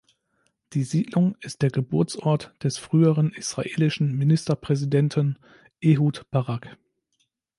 Die Siedlung ist der Geburtsort des früheren israelischen Ministerpräsidenten Ehud Barak.